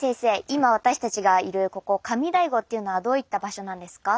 今私たちがいるここ上醍醐っていうのはどういった場所なんですか？